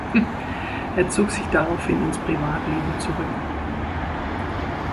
Er zog sich daraufhin ins Privatleben zurück.